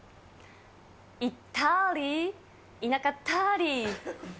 いたりーいなかったーり。